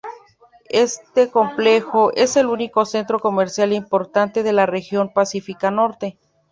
Este complejo es el único centro comercial importante de la región Pacifica Norte.